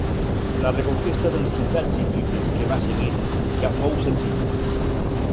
La reconquesta de les ciutats hitites que va seguir ja fou senzilla.